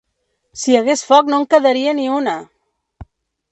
Si hi hagués foc no en quedaria ni una!